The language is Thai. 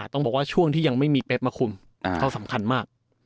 ต้องบอกว่าช่วงที่ยังไม่มีเป๊บมาคุมเขาสำคัญมาก